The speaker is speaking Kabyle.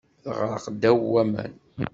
Teɣṛeq ddaw waman.